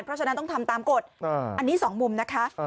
เพราะฉะนั้นต้องทำตามกฎอันนี้สองมุมนะคะ